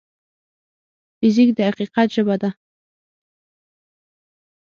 فزیک د حقیقت ژبه ده.